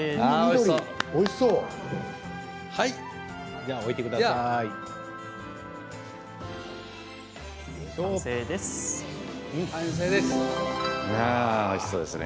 おいしそう。